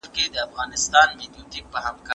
ایا د پاني پت جګړه په هندوستان کې وه؟